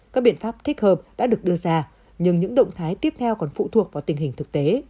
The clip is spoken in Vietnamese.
các biện pháp thích hợp đã được đưa ra nhưng những động thái tiếp theo còn phụ thuộc vào tình hình thực tế